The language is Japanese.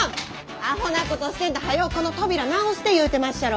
アホなことしてんとはようこの扉直して言うてまっしゃろ！